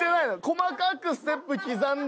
細かくステップ刻んで。